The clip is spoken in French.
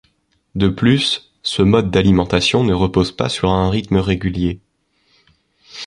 De plus, ce mode d'alimentation ne repose pas sur un rythme régulier.